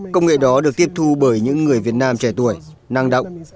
công nghệ đó được tiếp thu bởi những người việt nam trẻ tuổi năng động